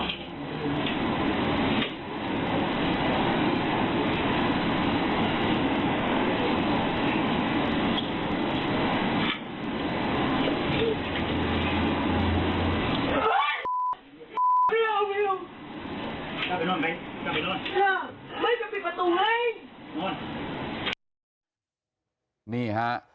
ผิดผู้หนี้